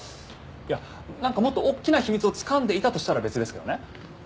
いやなんかもっと大きな秘密をつかんでいたとしたら別ですけどね。